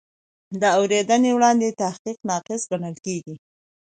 د اورېدنې وړاندې تحقیق ناقص ګڼل کېږي.